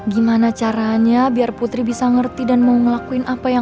gimana caranya biar putri bisa ngerti dan mau ngelakuin apa yang